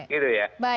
baik pak mada